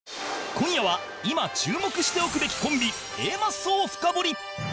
今夜は今注目しておくべきコンビ Ａ マッソを深掘り